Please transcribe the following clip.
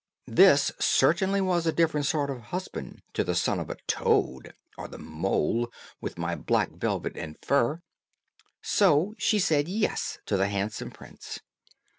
This certainly was a very different sort of husband to the son of a toad, or the mole, with my black velvet and fur; so she said, "Yes," to the handsome prince.